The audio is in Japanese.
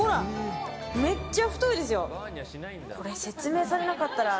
めっちゃ太いですよ！